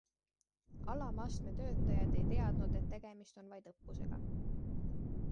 Alamastme töötajad ei teadnud, et tegemist on vaid õppusega.